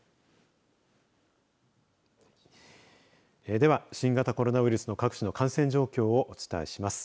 では、新型コロナウイルスの各地の感染状況をお伝えします。